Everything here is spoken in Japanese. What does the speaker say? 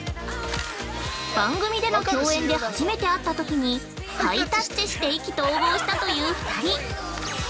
番組での共演で初めて会ったときに、ハイタッチして意気投合したという２人。